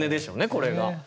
これが。